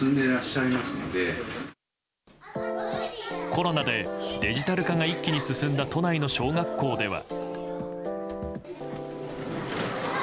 コロナでデジタル化が一気に進んだ都内の小学校では。